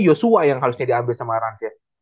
yosua yang harus jadi ambil sama rans ya